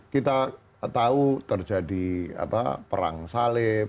kita tahu terjadi perang salib